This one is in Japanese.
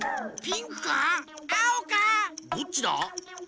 どっちだ？